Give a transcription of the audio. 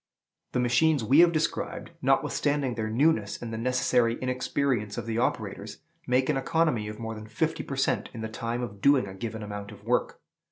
The machines we have described, notwithstanding their newness and the necessary inexperience of the operators, make an economy of more than fifty per cent. in the time of doing a given amount of work.